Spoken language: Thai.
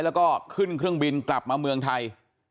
แล้วก็ขึ้นเครื่องบินกลับมาเมืองไทย